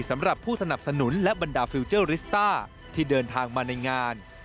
สำหรับผู้สนับสนุนและบรรดาฟิลเจอร์ริสต้าที่เดินทางมาในงาน